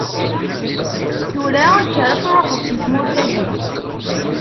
Tura, kker ad tṛuḥeḍ si tmurt-agi.